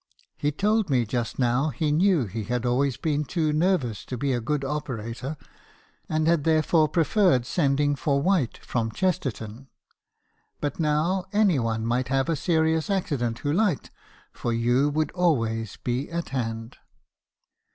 He told me just now he knew he had always been too nervous to be a good operator; and had therefore preferred sending for White from Chesterton. But now any one might have a serious accident who liked , for you would be always at hand.'